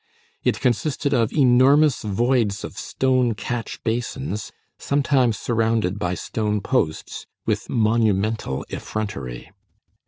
It consisted of enormous voids of stone catch basins sometimes surrounded by stone posts, with monumental effrontery.